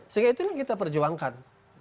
sehingga itulah kita perjuangkan